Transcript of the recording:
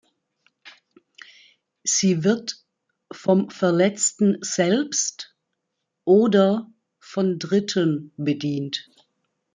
Sie wird vom Verletzten selbst oder von Dritten bedient.